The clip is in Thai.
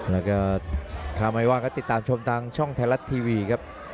แล้วก็ถ้าไม่ว่างก็ติดตามชมทางช่องไทยรัฐทีวีครับ